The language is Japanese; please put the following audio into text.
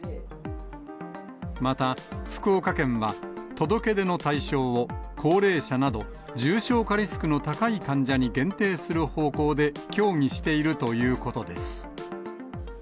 また、福岡県は、届け出の対象を、高齢者など重症化リスクの高い患者に限定する方向で協議しているということです。